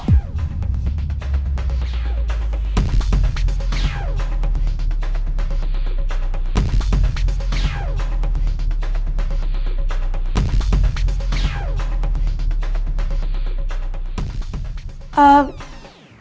gue mau ngajak lo